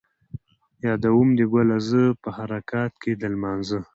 یادوم دې ګله زه ـ په هر رکعت کې د لمانځه